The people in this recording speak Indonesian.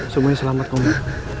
semuanya selamat ma